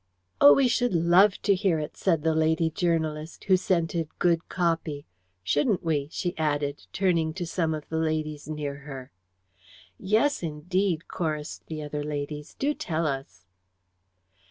"Oh, we should love to hear it," said the lady journalist, who scented good "copy." "Shouldn't we?" she added, turning to some of the ladies near her. "Yes, indeed!" chorused the other ladies. "Do tell us."